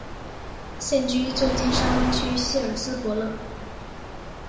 现居旧金山湾区希尔斯伯勒。